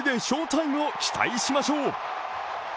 タイムを期待しましょう。